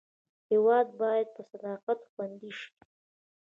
هېواد باید په صداقت خوندي شي.